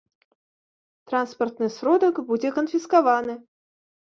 Транспартны сродак будзе канфіскаваны.